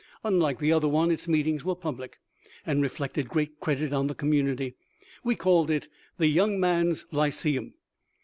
Unlike the other one its meetings were public, and reflected great credit on the community. We called it the " Young Men's Lyceum."